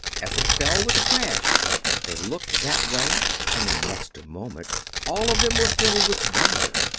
As it fell with a crash they looked that way, and the next moment all of them were filled with wonder.